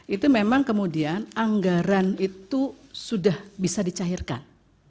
itu memang kemudian anggaran itu sudah bisa dicairkan